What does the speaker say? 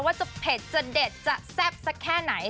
จะเผ็ดจะเด็ดจะแซ่บสักแค่ไหน